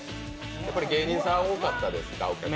芸人さん多かったですかお客さん。